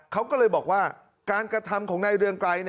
เขาก็เลยบอกว่าการกระทำของนายเรืองไกร